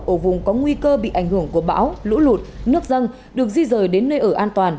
ở vùng có nguy cơ bị ảnh hưởng của bão lũ lụt nước dân được di rời đến nơi ở an toàn